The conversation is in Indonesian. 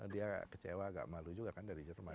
dia kecewa agak malu juga kan dari jerman